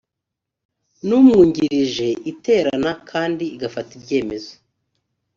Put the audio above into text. n umwungirije iterana kandi igafata ibyemezo